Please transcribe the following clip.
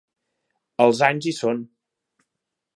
Els anys hi són.